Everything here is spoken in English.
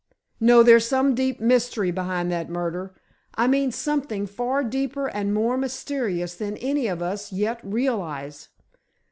No; there's some deep mystery behind that murder. I mean something far deeper and more mysterious than any of us yet realize.